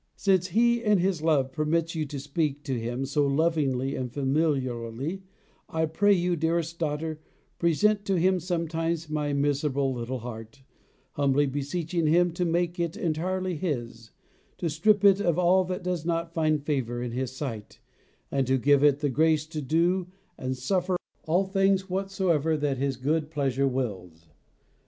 Since He in His love permits you to speak to Him so lovingly and familiarly I pray you, dearest daughter, present to Him sometimes my miserable little heart, humbly beseeching Him to make it entirely His, to strip it of all that does not find favour in His sight, and to give it the grace to do and suffer all things whatsoever that His good pleasure wills.